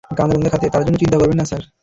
তার জন্য চিন্তা করবেন না, স্যার।